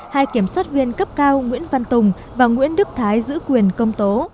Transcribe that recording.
hai kiểm soát viên cấp cao nguyễn văn tùng và nguyễn đức thái giữ quyền công tố